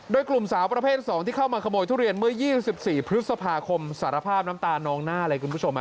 โดยกลุ่มสาวประเภทสองที่เข้ามาขโมยทุเรียนเมื่อ๒๔พฤษภาคมสารภาพน้ำตานนองหน้า